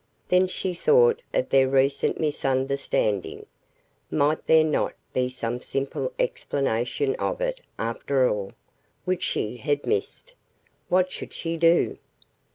Then she thought of their recent misunderstanding. Might there not be some simple explanation of it, after all, which she had missed? What should she do?